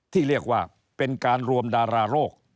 ที่เรียกว่าเป็นการรวมดาราโรค